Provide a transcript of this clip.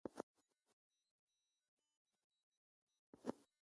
A te num mintchoul